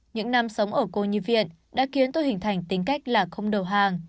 những năm sống ở cô nhi viện đã khiến tôi hình thành tính cách là không đầu hàng